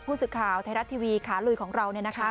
ผู้สื่อข่าวไทยรัฐทีวีขาลุยของเราเนี่ยนะคะ